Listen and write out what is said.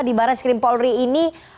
di barat skrimpolri ini